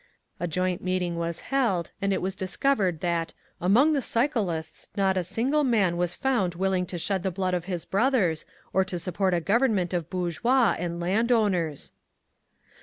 A joint meeting was held, and it was discovered that "among the cyclists not a single man was found willing to shed the blood of his brothers, or to support a Government of bourgeois and land owners!"